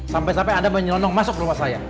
sampai sampai anda menyonong masuk rumah saya